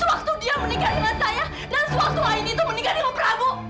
sewaktu dia meninggal dengan saya dan sewaktu aini itu meninggal dengan prabu